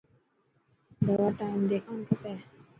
دوا ٽائيم تي کاڻ کپي.